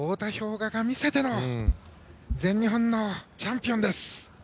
雅が見せての全日本のチャンピオンです。